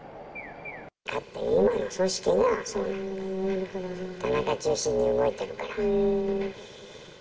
だって今の組織が、田中中心に動いているから。